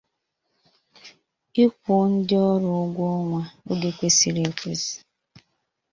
ịkwụ ndị ọrụ ụgwọ ọnwa oge kwesiri ekwesi